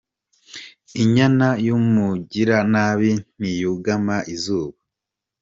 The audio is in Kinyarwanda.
Inyana y’umugiranabi ntiyugama Izuba.